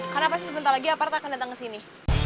karena pasti sebentar lagi aparatnya akan datang ke sini